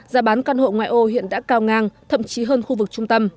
giá bán căn hộ ngoại ô hiện đã cao ngang thậm chí hơn khu vực trung tâm